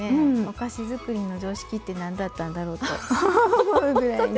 お菓子づくりの常識って何だったんだろうと思うぐらいに。